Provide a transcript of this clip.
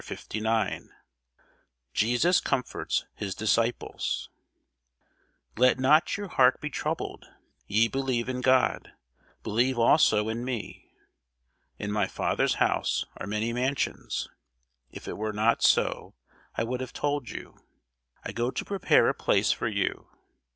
CHAPTER 59 JESUS COMFORTS HIS DISCIPLES LET not your heart be troubled: ye believe in God, believe also in me. In my Father's house are many mansions: if it were not so, I would have told you. I go to prepare a place for you.